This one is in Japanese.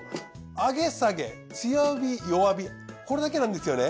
上げ下げ強火弱火これだけなんですよね。